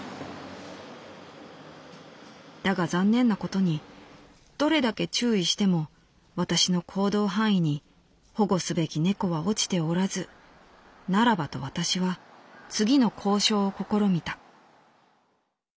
「だが残念なことにどれだけ注意しても私の行動範囲に保護すべき猫は落ちておらずならばと私は次の交渉を試みた」。